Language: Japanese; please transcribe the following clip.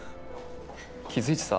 気付いてた？